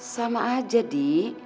sama aja di